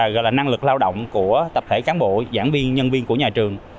rồi là năng lực lao động của tập thể cán bộ giảng viên nhân viên của nhà trường